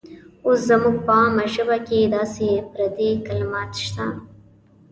اوس زموږ په عامه ژبه کې داسې پردي کلمات شته.